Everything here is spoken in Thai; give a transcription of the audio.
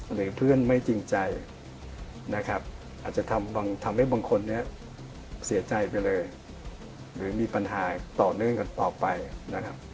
หรือเพื่อนไม่จริงใจนะครับอาจจะทำให้บางคนเนี่ยเสียใจไปเลยหรือมีปัญหาต่อเนื่องกันต่อไปนะครับ